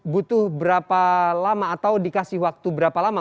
butuh berapa lama atau dikasih waktu berapa lama